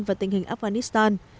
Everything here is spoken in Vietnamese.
và tình hình afghanistan